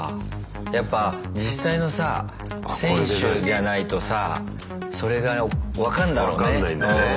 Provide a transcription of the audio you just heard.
やっぱ実際のさ選手じゃないとさそれが分かんだろうね。